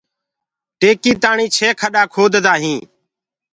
ٽيڪيٚ تآڻي ڇي کڏآ کودآ هينٚ